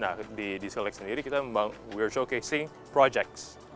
nah di skilledat sendiri kita membawa we're showcasing projects